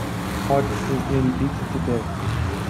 Todd is nearly beaten to death.